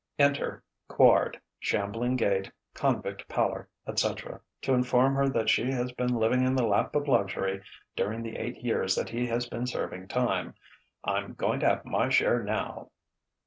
Enter Quard (shambling gait, convict pallor, etc.) to inform her that she has been living in the lap of luxury during the eight years that he has been serving time: "I'm goin' to have my share now!"